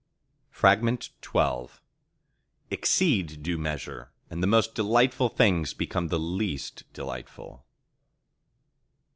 XII Exceed due measure, and the most delightful things become the least delightful.